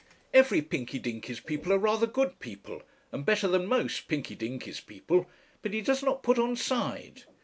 "Every Pinky Dinky's people are rather good people, and better than most Pinky Dinky's people. But he does not put on side."